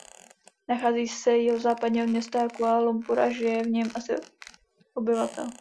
Nachází se jihozápadně od města Kuala Lumpur a žije v něm asi obyvatel.